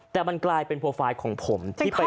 แต่มันกลายเป็นโปรไฟล์ของผมที่ไป